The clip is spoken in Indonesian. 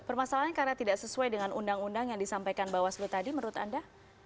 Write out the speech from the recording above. permasalahannya karena tidak sesuai dengan undang undang yang disampaikan bawaslu tadi menurut anda